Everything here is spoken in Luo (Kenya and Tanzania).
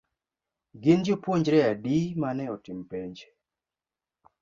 Gin jopuonjre adi mane otim penj.